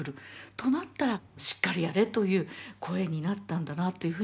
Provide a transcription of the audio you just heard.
となったらしっかりやれという声になったんだなというふうに思います。